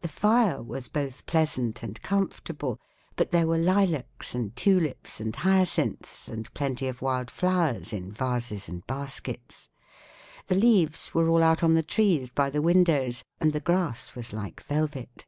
The fire was both pleasant and comfortable, but there were lilacs and tulips and hyacinths and plenty of wild flowers in vases and baskets; the leaves were all out on the trees by the windows, and the grass was like velvet.